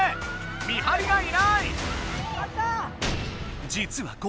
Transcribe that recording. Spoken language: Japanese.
見張りがいない！